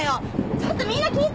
ちょっとみんな聞いて！